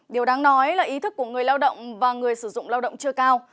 điều đáng nói là ý thức của người lao động và người sử dụng lao động chưa cao